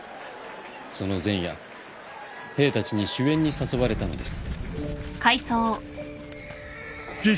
その前夜兵たちに酒宴に誘われたのです。